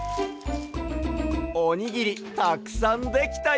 おにぎりたくさんできたＹＯ！